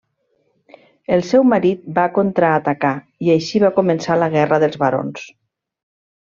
El seu marit va contraatacar i així va començar la guerra dels barons.